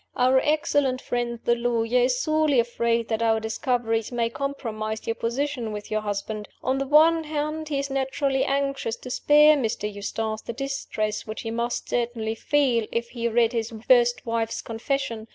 "Our excellent friend, the lawyer, is sorely afraid that our discoveries may compromise your position with your husband. On the one hand, he is naturally anxious to spare Mr. Eustace the distress which he must certainly feel, if he read his first wife's confession.